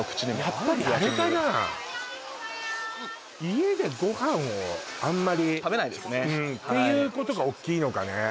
やっぱりあれかな家でご飯をあんまり食べないですねっていうことが大きいのかね